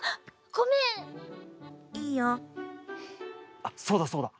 あっそうだそうだ。